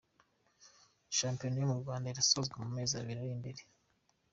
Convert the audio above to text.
Shampiyona yo mu Rwanda irasozwa mumezi abiri arimbere